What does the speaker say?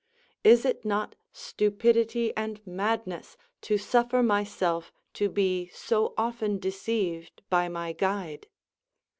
Is it not stupidity and madness to suffer myself to be so often deceived by my guide?